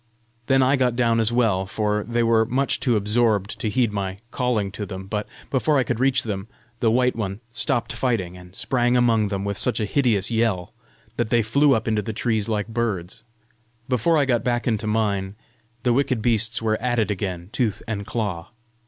Then I got down as well, for they were much too absorbed to heed my calling to them; but before I could reach them, the white one stopped fighting, and sprang among them with such a hideous yell that they flew up into the trees like birds. Before I got back into mine, the wicked beasts were at it again tooth and claw.